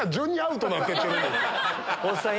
おっさん